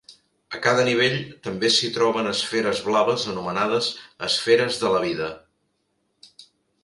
A cada nivell també s'hi troben esferes blaves anomenades esferes de la vida.